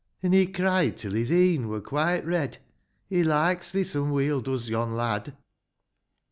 An' he cried till his e'en were quite red ;— He likes thee some weel, does yon lad I IV.